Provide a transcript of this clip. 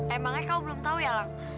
emangnya kau belum tahu ya lang